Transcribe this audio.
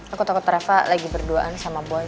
aku takut reva lagi berduaan sama boy